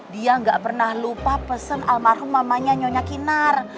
dia nggak pernah lupa pesen almarhum mamanya nyonya kinar